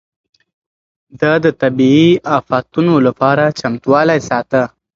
ده د طبيعي افتونو لپاره چمتووالی ساته.